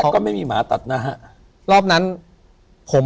ถูกต้องไหมครับถูกต้องไหมครับ